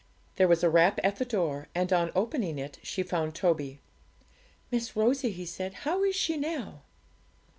There was a rap at the door, and on opening it she found Toby. 'Miss Rosie,' he said, 'how is she now?'